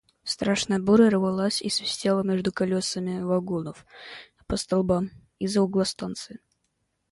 Страшная буря рвалась и свистела между колесами вагонов по столбам из-за угла станции.